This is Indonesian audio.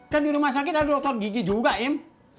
kan di rumah sakit ada dokter gigi juga im